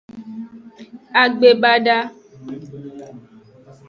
Agbebada.